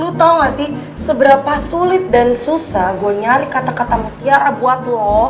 lu tau gak sih seberapa sulit dan susah gua nyari kata kata mutiara buat lu